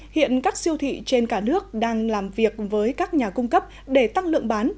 hiện các siêu thị trên cả nước đang làm việc với các nhà cung cấp để tăng lượng bán